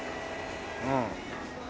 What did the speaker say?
うん。